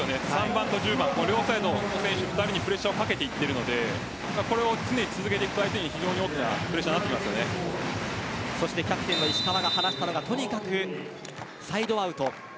３番と１０番両サイドの選手にプレッシャーをかけていっているのでこれを続けていくと非常に大きなキャプテンの石川が話したのがとにかくサイドアウト。